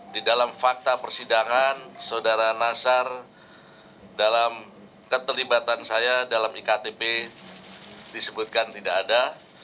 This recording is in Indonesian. di dalam fakta persidangan saudara nasar dalam keterlibatan saya dalam iktp disebutkan tidak ada